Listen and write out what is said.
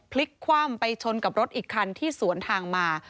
พลิกคว่ำไปชนกับรถอีกคันที่สวนทางมา